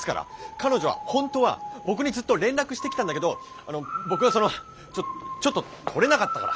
彼女は本当は僕にずっと連絡してきたんだけど僕がそのちょっと取れなかったから！